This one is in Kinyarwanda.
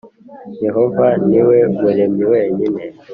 Yehova ni we Muremyi wenyine